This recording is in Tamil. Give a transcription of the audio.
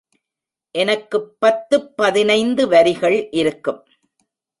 எனக்குப் பத்து பதினைந்து வரிகள் இருக்கும்.